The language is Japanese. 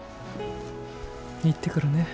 行ってくるね。